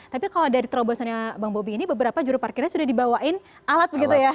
tapi kalau dari terobosannya bang bobi ini beberapa juru parkirnya sudah dibawain alat begitu ya